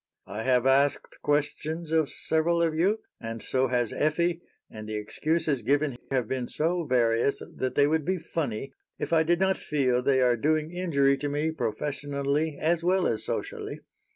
"I have asked questions of several of you, and so has Effie, and the excuses given have been so various that they would be funny if I did not feel they are doing injury to me professionally, as well as socially.